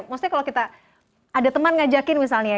maksudnya kalau kita ada teman ngajakin misalnya